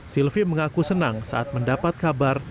silvi mengaku senang saat mendapat kabar